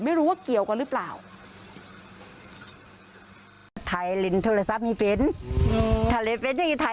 ไม่รู้ว่าเกี่ยวกันหรือเปล่า